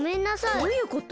どういうこと？